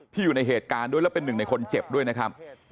อยู่ในเหตุการณ์ด้วยแล้วเป็นหนึ่งในคนเจ็บด้วยนะครับ